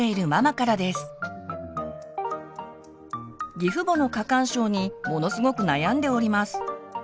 義父母の過干渉にものすごく悩んでおります。